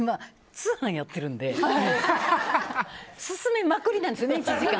通販やってるので勧めまくりなんですよね、１時間。